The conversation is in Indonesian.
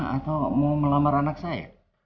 atau mau melamar anak saya